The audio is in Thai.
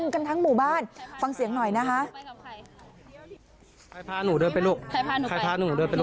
กันทั้งหมู่บ้านฟังเสียงหน่อยนะคะ